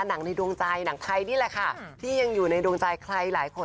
ในดวงใจหนังไทยนี่แหละค่ะที่ยังอยู่ในดวงใจใครหลายคน